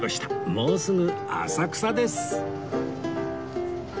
もうすぐ浅草です